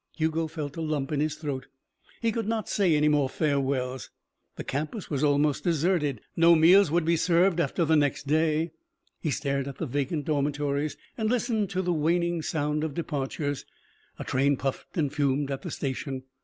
Hugo felt a lump in his throat. He could not say any more farewells. The campus was almost deserted. No meals would be served after the next day. He stared at the vacant dormitories and listened to the waning sound of departures. A train puffed and fumed at the station.